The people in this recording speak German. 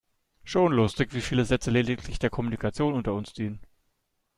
Schon lustig, wie viele Sätze lediglich der Kommunikation unter uns dienen.